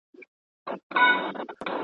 ماشومان باید د خپلو لوبو ځای پاک وساتي.